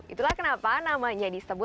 itulah kenapa namanya di starbuck